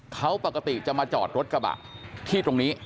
เขาปกติจะมาจอดรถกระบะที่ตรงนี้